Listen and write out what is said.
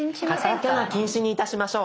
カタカナ禁止にいたしましょう！